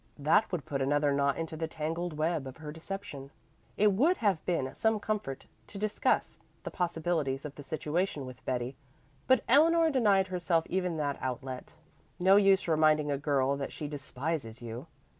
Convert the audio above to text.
That would put another knot into the "tangled web" of her deception. It would have been some comfort to discuss the possibilities of the situation with Betty, but Eleanor denied herself even that outlet. No use reminding a girl that she despises you!